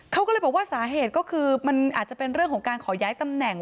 เขาก็เลยบอกว่าสาเหตุก็คือมันอาจจะเป็นเรื่องของการขอย้ายตำแหน่ง